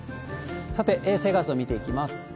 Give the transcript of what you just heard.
さて、衛星画像見ていきます。